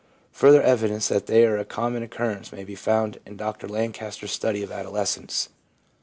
Further evidence that they are a common occurrence may be found in Dr Lancaster's study of adolescence.